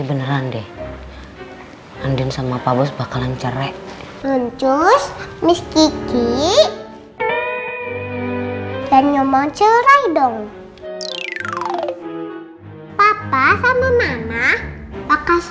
jalan deh andin sama pabos bakalan cerai roncus miski dan nyomong cerai dong papa sama mama bakal